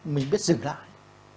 mình biết dừng lại